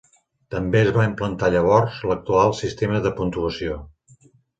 També es va implantar llavors l'actual sistema de puntuació.